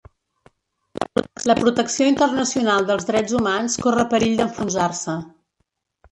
La protecció internacional dels drets humans corre perill d’enfonsar-se.